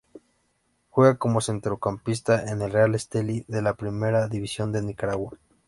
Juega como Centrocampista en el Real Estelí de la Primera División de Nicaragua.